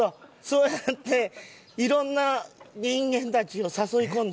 そうやって色んな人間たちを誘い込んでる。